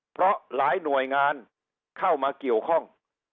เพราะหลายหน่วยงานเข้ามาเกี่ยวข้อง